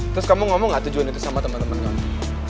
terus kamu ngomong gak tujuan itu sama teman teman kamu